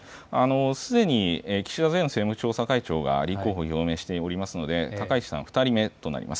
すでに岸田前政務調査会長が立候補を表明しておりますので高市さん、２人目となります。